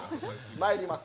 まいります